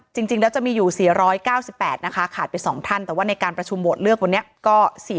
จริงแล้วจะมีอยู่๔๙๘นะคะขาดไป๒ท่านแต่ว่าในการประชุมโหวตเลือกวันนี้ก็๔๐